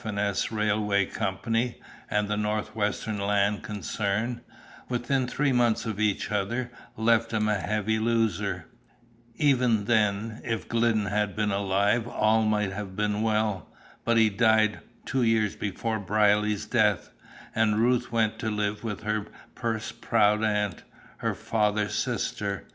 and S. Railway Company, and the North Western Land concern, within three months of each other, left him a heavy loser. Even then, if Glidden had been alive all might have been well. But he died, two years before Brierly's death, and Ruth went to live with her purse proud aunt, her father's sister.